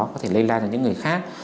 có thể lây lan cho những người khác